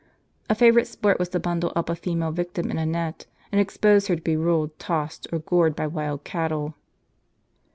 A favorite sport was to bundle up a female victim in a net, and expose her to be rolled, tossed, or gored by wild cattle.